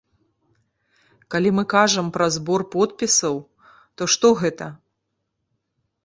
Калі мы кажам пра збор подпісаў, то што гэта?